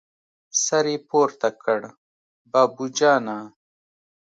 سر يې پورته کړ: بابو جانه!